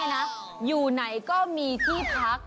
อยู่ไหนก็มีที่พัก